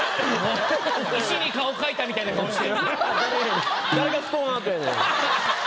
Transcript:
石に顔書いたみたいな顔して。